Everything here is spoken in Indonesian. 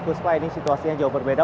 puspa ini situasinya jauh berbeda